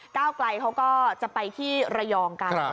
ก้าวไกลเขาก็จะไปที่ระยองกัน